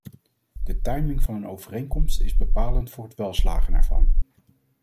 De timing van een overeenkomst is bepalend voor het welslagen ervan.